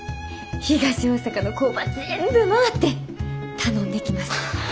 東大阪の工場全部回って頼んできます。